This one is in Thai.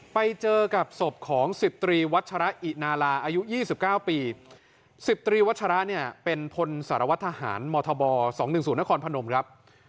ไปเจอกับศพของสิบตรีวัชราอินาราอายุยี่สิบเก้าปีสิบตรีวัชราเนี้ยเป็นพลสารวัตถาหารมอร์ทบอร์สองหนึ่งศูนย์นครพนมครับ